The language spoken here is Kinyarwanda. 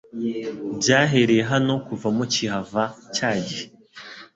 Byabereye hano kuva mukihava cyagihe